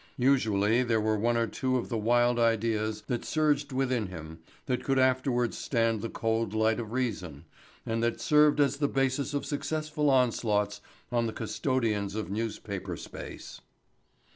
Usually there were one or two of the wild ideas that surged within him that could afterwards stand the cold light of reason and that served as the basis of successful onslaughts on the custodians of newspaper space.